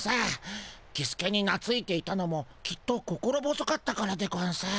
キスケになついていたのもきっと心細かったからでゴンス。